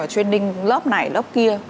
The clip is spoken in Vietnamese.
training lớp này lớp kia